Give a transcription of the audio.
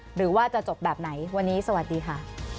หรือว่าจะจบแบบไหนวันนี้สวัสดีค่ะ